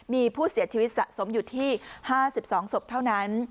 มีผู้เสียชีวิตสะสมอยู่ที่๕๒ศพเท่านั้น